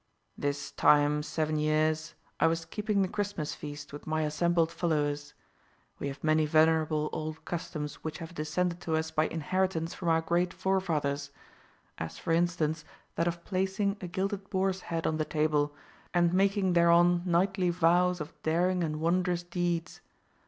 "This time seven years I was keeping the Christmas feast with my assembled followers. We have many venerable old customs which have descended to us by inheritance from our great forefathers; as, for instance, that of placing a gilded boar's head on the table, and making thereon knightly vows of daring and wondrous deeds.